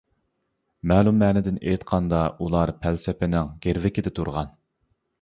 مەلۇم مەنىدىن ئېيتقاندا، ئۇلار پەلسەپىنىڭ گىرۋىكىدە تۇرغان.